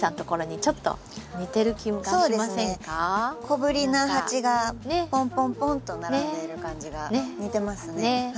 小ぶりな鉢がポンポンポンと並んでる感じが似てますね。